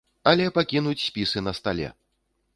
Але пакінуць спісы на стале!